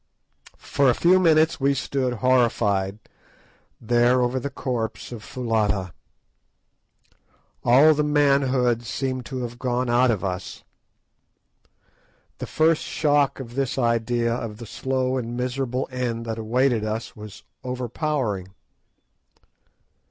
For a few minutes we stood horrified, there over the corpse of Foulata. All the manhood seemed to have gone out of us. The first shock of this idea of the slow and miserable end that awaited us was overpowering.